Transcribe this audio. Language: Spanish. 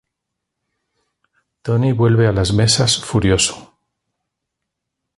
Tony vuelve a las mesas furioso.